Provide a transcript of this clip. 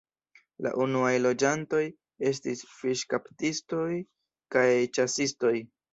La unuaj loĝantoj estis fiŝkaptistoj kaj ĉasistoj.